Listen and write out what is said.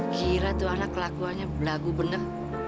gila tuh anak lakuannya lagu bener